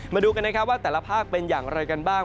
มาดูกันนะครับว่าแต่ละภาคเป็นอย่างไรกันบ้าง